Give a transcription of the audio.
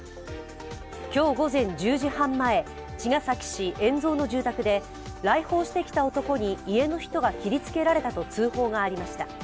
今日午前１０時半前、茅ヶ崎市円蔵の住宅で来訪してきた男に家の人が切りつけられたと通報がありました。